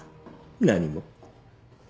何も。